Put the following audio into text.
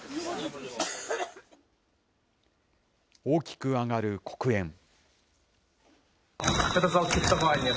大きく上がる黒煙。